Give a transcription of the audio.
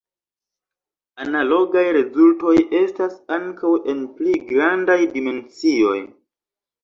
Analogaj rezultoj estas ankaŭ en pli grandaj dimensioj.